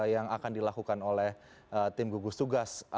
yang akan dilakukan oleh tim gugus tugas